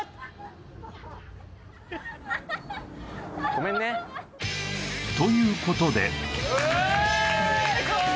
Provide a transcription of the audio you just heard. ごめんねということでウェーイ！